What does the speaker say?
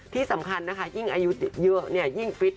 ที่สำคัญนะคะอย่างอายุเยอะยิ่งฟิต